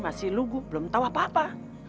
masih lugu belum tahu apa apa